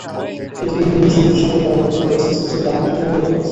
প্রতিটি মহল্লার সমিতির সঙ্গে তাঁরা বৈঠক করেছেন, সিসিটিভি লাগানোর জন্য অনুরোধ করেছেন।